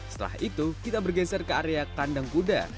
setelah itu kita bergeser ke area kandang kuda